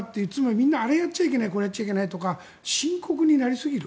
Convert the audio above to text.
みんな、あれやっちゃいけないこれやっちゃいけないとか深刻になりすぎる。